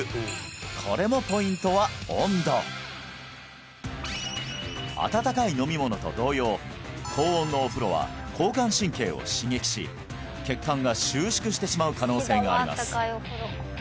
これもポイントは温度温かい飲み物と同様高温のお風呂は交感神経を刺激し血管が収縮してしまう可能性があります